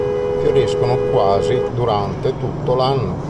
Fioriscono quasi durante tutto l'anno.